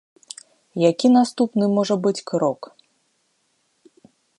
Які наступны можа быць крок?